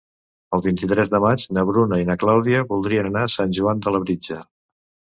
El vint-i-tres de maig na Bruna i na Clàudia voldrien anar a Sant Joan de Labritja.